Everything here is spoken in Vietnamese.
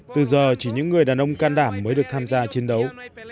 từ giờ chỉ những người đàn ông can đảm mới được tham gia chiến đấu